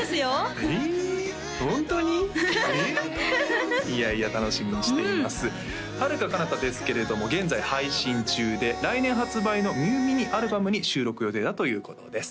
へえいやいや楽しみにしています「ハルカカナタ」ですけれども現在配信中で来年発売のニューミニアルバムに収録予定だということです